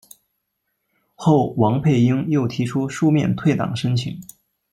后王佩英又提出书面退党申请。